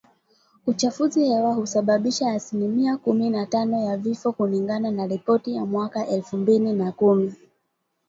Uchafuzi hewa husababisha asilimia kumi na tano ya vifo kulingana na ripoti ya mwaka elfu mbili na kumi